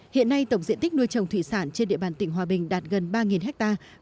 hiện nay tổng diện tích nuôi trồng thủy sản trên địa bàn tỉnh hòa bình đạt gần ba hectare